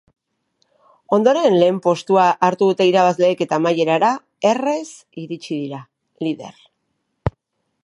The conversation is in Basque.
Ondoren lehen postua hartu dute irabazleek eta amaierara erraz iritsi dira lider.